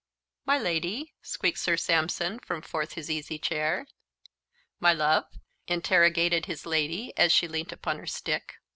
"My Lady?" squeaked Sir Sampson from forth his easy chair. "My love?" interrogated his lady as she leant upon her stick.